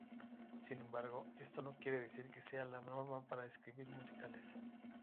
Sin embargo esto no quiere decir que esa sea la norma para escribir musicales.